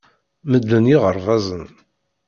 Medlen yiɣerbazen.